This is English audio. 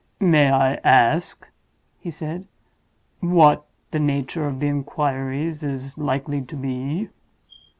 "May I ask," he said, "what the nature of the inquiries is likely to be?"